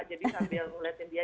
jadi sambil ngeliatin dia